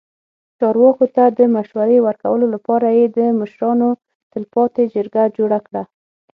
چارواکو ته د مشورې ورکولو لپاره یې د مشرانو تلپاتې جرګه جوړه کړه.